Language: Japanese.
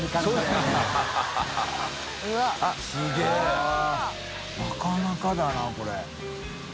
なかなかだなこれ。